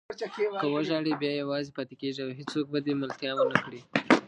که وژاړې بیا یوازې پاتې کېږې او هېڅوک به دې ملتیا ونه کړي.